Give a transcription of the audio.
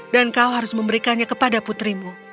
dan kau harus memberikannya kepada putrimu